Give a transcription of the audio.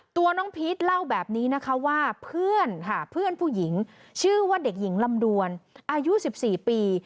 ตัวน้องพีชเล่าแบบนี้นะคะว่าเพื่อนค่ะเพื่อนผู้หญิงชื่อว่าเด็กหญิงลำดวนอายุ๑๔ปี